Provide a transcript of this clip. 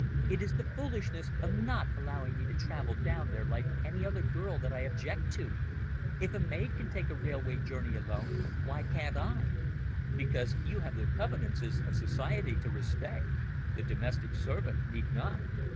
"It is the foolishness of not allowing me to travel down there like any other girl that I object to. If a maid can take a railway journey alone, why can't I?" "Because you have the convenances of society to respect the domestic servant need not."